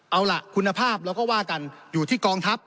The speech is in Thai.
เอาล่ะคุณภาพเราก็ว่ากันอยู่ที่กองทัพ